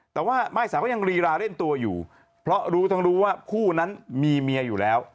แต่ว่าม่ายสาวก็ยังรีราเล่นตัวอยู่เพราะรู้ทั้งรู้ว่าคู่นั้นมีเมียอยู่แล้ว